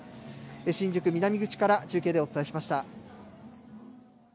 新宿南口から中継でお伝えしました。